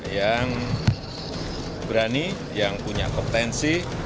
yang berani yang punya kompetensi